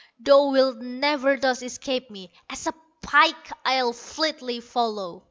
"Thou wilt never thus escape me, As a pike I'll fleetly follow."